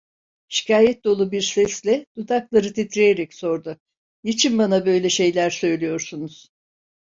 Şikayet dolu bir sesle, dudakları titreyerek sordu: "Niçin bana böyle şeyler söylüyorsunuz?"